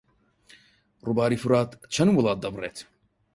ڕووباری فورات چەند وڵات دەبڕێت؟